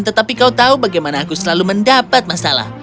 tetapi kau tahu bagaimana aku selalu mendapat masalah